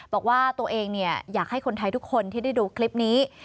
บอกว่าตัวเองอยากให้คนไทยทุกคนที่ได้ดูคลิปนี้